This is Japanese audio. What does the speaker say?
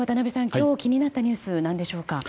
今日気になったニュースは何でしょうか？